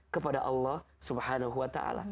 kepada allah swt